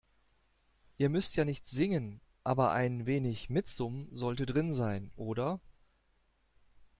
Ihr müsst ja nicht singen, aber ein wenig Mitsummen sollte drin sein, oder?